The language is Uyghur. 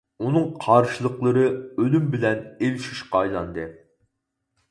ئۇنىڭ قارشىلىقلىرى ئۆلۈم بىلەن ئېلىشىشقا ئايلاندى.